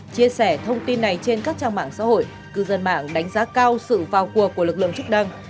chia sẻ thông tin này trên các trang mạng xã hội cư dân mạng đánh giá cao sự vào cuộc của lực lượng chức năng